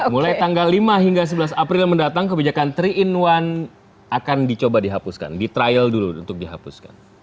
mulai tanggal lima hingga sebelas april mendatang kebijakan tiga in satu akan dicoba dihapuskan di trial dulu untuk dihapuskan